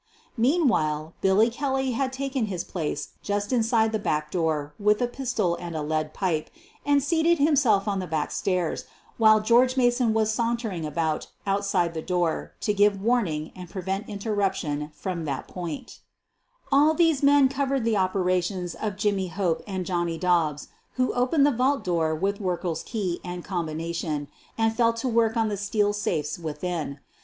Meanwhile, Billy Kelly had taken his place just inside the back door with a pistol and a lead pipe and seated himself on the back stairs, while George Mason was sauntering about outside the door to give warning and prevent interruption from that point QUEEN OF THE BURGLARS 163 All these men covered the operations of Jimmy Hope and Johnny Dobbs, who opened the vault door with Werkle's key and combination, and fell to work on the steel safes within.